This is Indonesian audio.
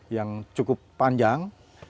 yang cukup panjang